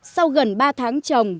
sau gần ba tháng trồng